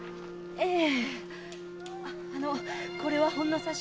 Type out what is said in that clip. ええ。